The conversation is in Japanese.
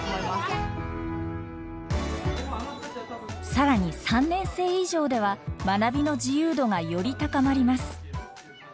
更に３年生以上では学びの自由度がより高まります。